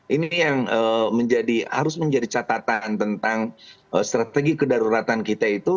ini yang harus menjadi catatan tentang strategi kedaruratan kita itu